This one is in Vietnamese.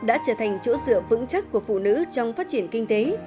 đã trở thành chỗ dựa vững chắc của phụ nữ trong phát triển kinh tế